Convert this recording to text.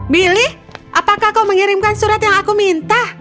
milih apakah kau mengirimkan surat yang aku minta